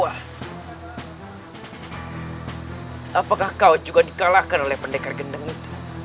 apakah kau juga dikalahkan oleh pendekar gendeng itu